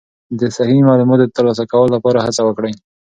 د صحیح معلوماتو ترلاسه کولو لپاره هڅه وکړئ.